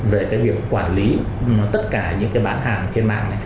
về việc quản lý tất cả những bán hàng trên mạng này